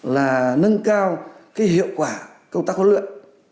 là nâng cao cái hiệu quả công tác huấn luyện